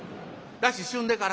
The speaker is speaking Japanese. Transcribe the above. だししゅんでから。